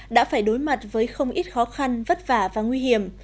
đã phải đối mặt với không ít khó khăn vất vả và nguy hiểm